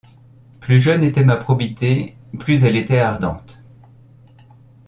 Plus jeune était ma probité, plus elle était ardente.